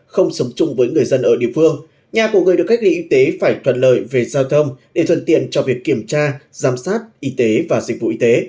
không sống chung với người dân ở địa phương nhà của người được cách ly y tế phải thuận lợi về giao thông để thuận tiện cho việc kiểm tra giám sát y tế và dịch vụ y tế